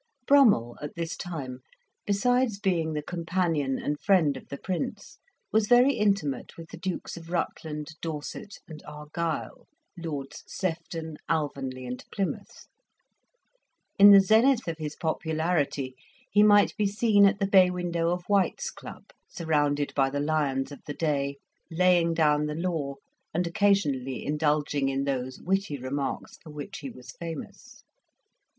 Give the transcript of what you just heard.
Brummell, at this time, besides being the companion and friend of the Prince, was very intimate with the Dukes of Rutland, Dorset, and Argyll, Lords Sefton, Alvanley, and Plymouth. In the zenith of his popularity he might be seen at the bay window of White's Club, surrounded by the lions of the day, laying down the law, and occasionally indulging in those witty remarks for which he was famous.